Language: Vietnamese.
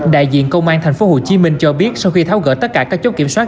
đại diện công an tp hcm cho biết sau khi tháo gỡ tất cả các chốt kiểm soát